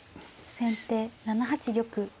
先手７八玉。